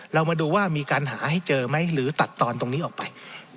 เรามาดูว่ามีการหาให้เจอไหมหรือตัดตอนตรงนี้ออกไป